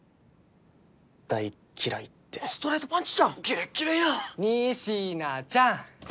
「大っ嫌い」ってストレートパンチじゃんキレッキレやん仁科ちゃん